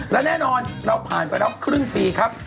และแน่นอนเราผ่านไปแล้วครึ่งปีครับ